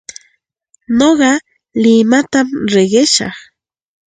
Nuqa limatam riqishaq.